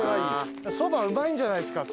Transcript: そばうまいんじゃないですか？